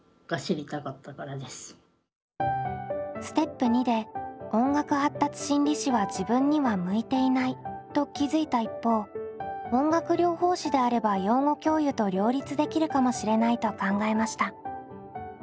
ステップ②で音楽発達心理士は自分には向いていないと気付いた一方音楽療法士であれば養護教諭と両立できるかもしれないと考えました。